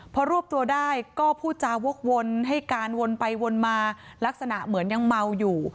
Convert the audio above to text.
พอรวบตัวได้ก็พูดจาวกวนให้การวนไปวนมาลักษณะเหมือนยังเมาอยู่